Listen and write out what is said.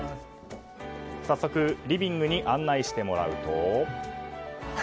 早速リビングに案内してもらうと。